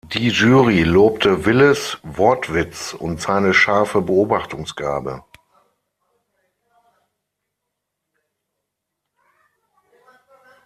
Die Jury lobte Willes „Wortwitz“ und seine „scharfe Beobachtungsgabe“.